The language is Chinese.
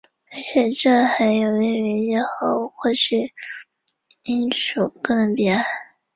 山东半岛属暖温带湿润季风气候。